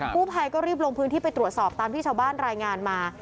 ผู้ภัยก็รีบลงพื้นที่ไปตรวจสอบตามที่ชาวบ้านรายงานมา